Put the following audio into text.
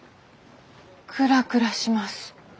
クラクラします。